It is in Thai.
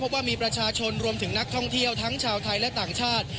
ว่ามีประชาชนรวมถึงนักท่องเที่ยวทั้งชาวไทยและต่างชาติ